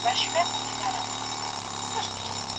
آیا مېلمانه به زما په دې لږ خوراک په پټه نیوکه وکړي؟